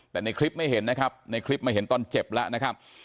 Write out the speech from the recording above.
แต่ในคลิปไม่เห็นนะครับในคลิปไม่เห็นตอนเจ็บแล้วนะครับ